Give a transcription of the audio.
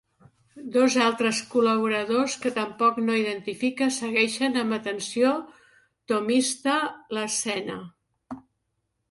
Dos altres col·laboradors que tampoc no identifica segueixen amb atenció tomista l'escena.